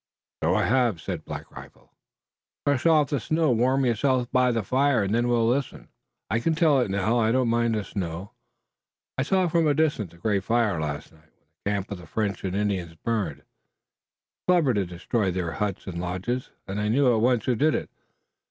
"So I have," said Black Rifle. "Brush off the snow, warm yourself by the fire, and then we'll listen." "I can tell it now. I don't mind the snow. I saw from a distance the great fire last night, when the camp of the French and Indians burned. It was clever to destroy their huts and lodges, and I knew at once who did it.